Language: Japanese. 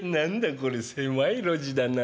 これ狭い路地だな。